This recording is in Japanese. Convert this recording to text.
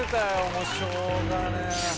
もうしょうがねえな」